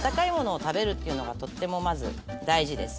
っていうのがとってもまず大事です。